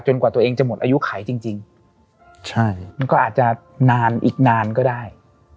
กว่าตัวเองจะหมดอายุไขจริงใช่มันก็อาจจะนานอีกนานก็ได้